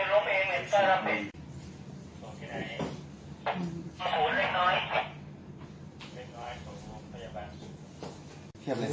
กล้องไม่ได้ครับ